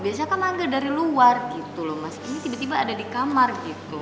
biasanya kan angga dari luar gitu loh mas ini tiba tiba ada di kamar gitu